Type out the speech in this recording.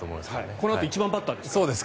このあと１番バッターですね。